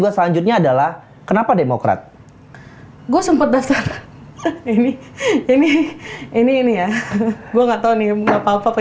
gua selanjutnya adalah kenapa demokrat gua sempet daftar ini ini ini ini ya gua nggak tahu nih apa